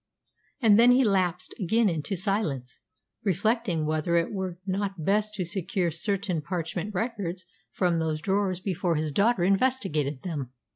And then he lapsed again into silence, reflecting whether it were not best to secure certain parchment records from those drawers before his daughter investigated them.